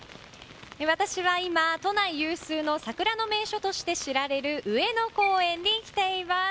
私は今、都内有数の桜の名所として知られる上野公園に来ています。